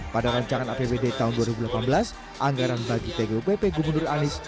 pada rancangan apbd tahun dua ribu delapan belas anggaran bagi tgupp gubernur anies